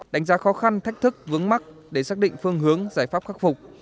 đánh giá khó khăn thách thức vướng mắt để xác định phương hướng giải pháp khắc phục